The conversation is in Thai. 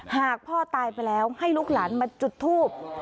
หากพ่อตายไปแล้วให้ลูกหลานมาจุดทูบ